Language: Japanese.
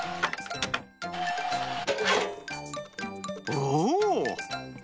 おお！